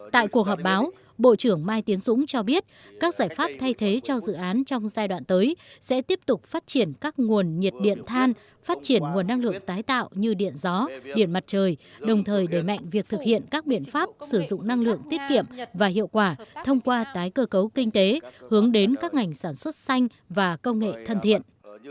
tại cuộc họp báo bộ trưởng mai tiến dũng cho biết các giải pháp thay thế cho dự án trong giai đoạn tới sẽ tiếp tục phát triển các nguồn nhiệt điện than phát triển nguồn năng lượng tái tạo như điện gió điện mặt trời đồng thời đẩy mạnh việc thực hiện các biện pháp sử dụng năng lượng tiết kiệm và hiệu quả thông qua tái cơ cấu kinh tế hướng đến các ngành sản xuất xanh và công nghệ thân thiện